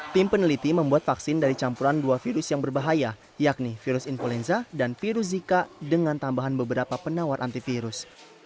tim peneliti membuat vaksin dari campuran dua virus yang berbahaya yakni virus influenza dan virus zika dengan tambahan beberapa penawar antivirus